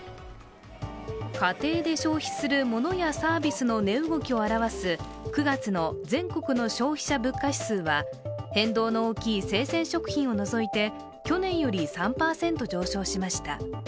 家庭で消費するものやサービスの値動きを表す９月の全国の消費者物価指数は変動の多い生鮮食品を除いて去年より３％上昇しました。